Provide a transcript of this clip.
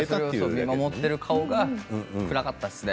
見守っていた顔が暗かったですね。